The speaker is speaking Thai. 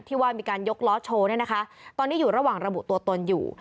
ว่ามีการยกล้อโชว์เนี่ยนะคะตอนนี้อยู่ระหว่างระบุตัวตนอยู่